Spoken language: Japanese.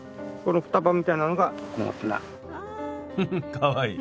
かわいい。